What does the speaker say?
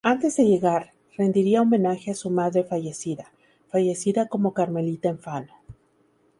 Antes de llegar, rendiría homenaje a su madre fallecida, fallecida como carmelita en Fano.